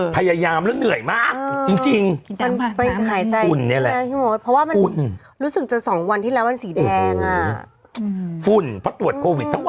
พยายามแล้วเหนื่อยมากจริง